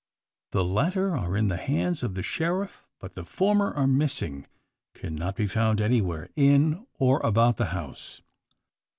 The latter are in the hands of the sheriff, but the former are missing cannot be found anywhere, in or about the house!